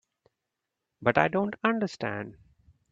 But I don't understand.